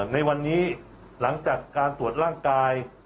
ในวันนี้หลังจากการตรวจร่างกาย